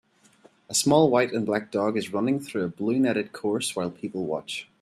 A small white and black dog is running through a blue netted course while people watch.